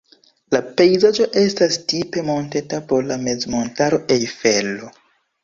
La pejzaĝo estas tipe monteta por la mezmontaro Ejfelo.